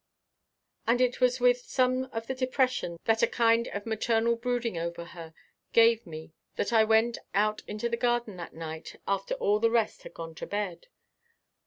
And it was with some of the depression that a kind of maternal brooding over her gave me that I went out into the garden that night after all the rest had gone to bed.